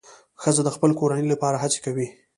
ښځه د خپل کورنۍ لپاره هڅې کوي.